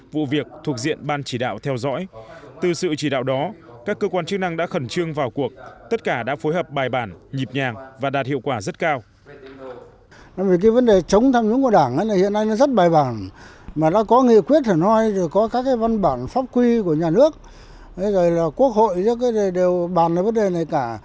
vì cái vấn đề chống tham nhũng của đảng hiện nay rất bài bản mà đã có nghị quyết có các văn bản pháp quy của nhà nước quốc hội đều bàn về vấn đề này cả